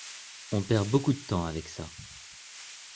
On perd beaucoup de temps avec ça.